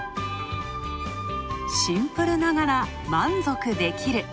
シンプルながら満足できる。